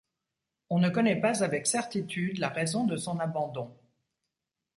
On ne connaît pas avec certitude la raison de son abandon.